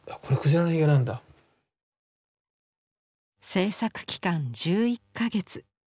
制作期間１１か月